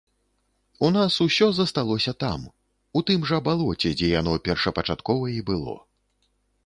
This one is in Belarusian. У нас усё засталося там, у тым жа балоце, дзе яно першапачаткова і было.